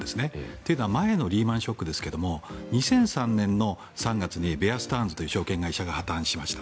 というのは前のリーマン・ショックですが２００３年の３月にベアスターンズという証券会社が破たんしました。